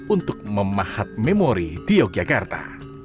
untuk memahat memori di yogyakarta